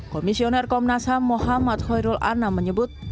komisioner komnas ham mohamad khoyrul anam menyebut